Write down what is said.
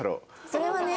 それはね。